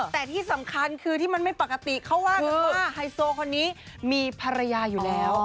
แต่ที่สำคัญคือที่มันไม่ปกติเขาว่ากันว่าไฮโซคนนี้มีภรรยาอยู่แล้ว